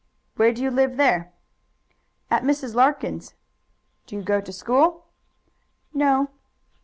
"Where do you live there?" "At Mrs. Larkins'." "Do you go to school?" "No."